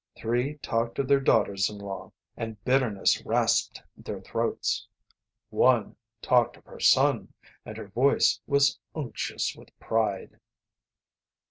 Three talked of their daughters in law, and bitterness rasped their throats. One talked of her son, and her voice was unctuous with pride.